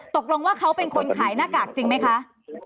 ตกลงว่าเขาเป็นคนขายหน้ากากจริงไหมคะ